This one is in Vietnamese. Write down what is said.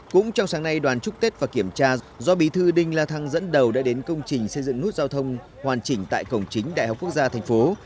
cũng trong sáng nay đoàn chúc tết và kiểm tra do bí thư đinh la thăng dẫn đầu đã đến công trình xây dựng nút giao thông hoàn chỉnh tại cổng chính đại học quốc gia thành phố